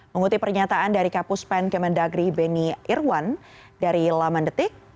mengutip pernyataan dari kapus pen kementerian negeri benny irwan dari laman detik